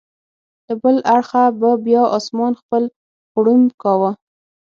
له بل اړخه به بیا اسمان خپل غړومب کاوه.